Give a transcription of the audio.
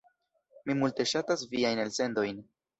Mi multe ŝatas viajn elsendojn.